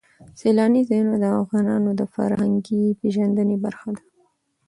سیلاني ځایونه د افغانانو د فرهنګي پیژندنې برخه ده.